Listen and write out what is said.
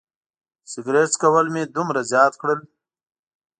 سګرټ څکول مې دومره زیات کړل.